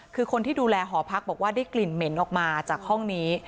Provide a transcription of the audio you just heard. คือคนที่ดูแลหอพักบอกว่าได้กลิ่นเหม็นออกมาจากห้องนี้